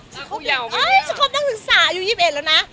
เจ้าครอบนั้นถึงสายูยี่ประเด็นแล้วนะ